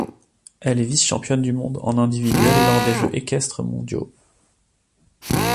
Elle est vice-championne du monde en individuel lors des Jeux équestres mondiaux.